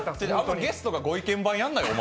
ゲストがご意見番やるなよ、お前。